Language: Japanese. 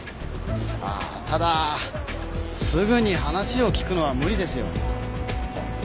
ああただすぐに話を聞くのは無理ですよ。